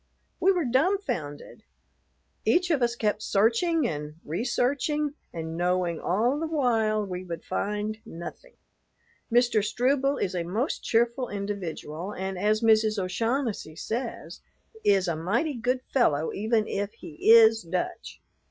We were dumbfounded. Each of us kept searching and researching and knowing all the while we would find nothing. Mr. Struble is a most cheerful individual, and, as Mrs. O'Shaughnessy says, "is a mighty good fellow even if he is Dutch."